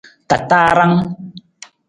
Tataarang.